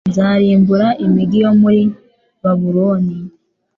nzarimbura imigi yo mu ri babuloni